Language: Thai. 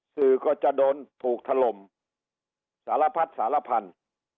สื่อก็จะโดนถูกถล่มสารพัดสารพันธุ์